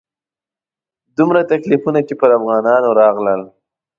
دومره تکلیفونه چې پر افغانانو راغلل.